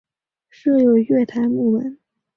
设有月台幕门。